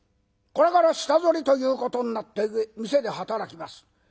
これから下ぞりということになって店で働きます。